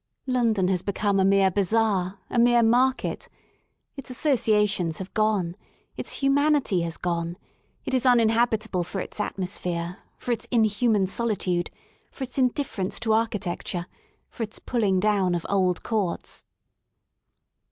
London has become a mere bazaar, a mere market. Its associations have gone; its humanity has gone; it is uninhabitable for its atmosphere, for its inhuman solitude, for its indiffer ence to architecture, for its pulling down of old courts.